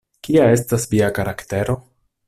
Kia estas via karaktero?